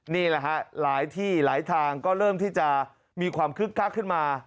นี่แหละฮะหลายที่หลายทางก็เริ่มที่จะมีความคึกคักขึ้นมา